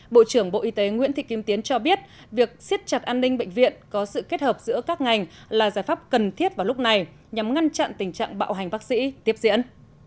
bộ trưởng bộ y tế nguyễn thị kim tiến cho biết việc siết chặt an ninh bệnh viện có sự kết hợp giữa các ngành là giải pháp cần thiết vào lúc này nhằm ngăn chặn tình trạng bạo hành bác sĩ tiếp diễn